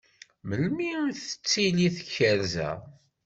Melmi i d-tettili tkerza?